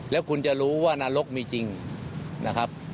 แล้วคุณจะรู้ว่านรกมีจริงนะครับ